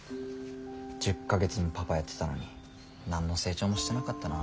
１０か月もパパやってたのに何の成長もしてなかったな。